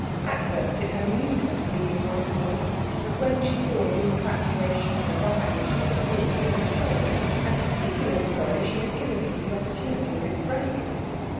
At first it had amused her to see him once more, but when she saw the infatuation revive, she was bored and sorry and particularly sorry she had given him the opportunity of expressing it.